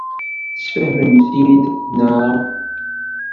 Tesfehmemt-t-id, naɣ?